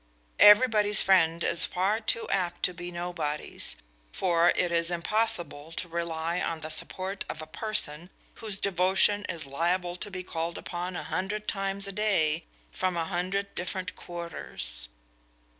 Everybody's friend is far too apt to be nobody's, for it is impossible to rely on the support of a person whose devotion is liable to be called upon a hundred times a day, from a hundred different quarters.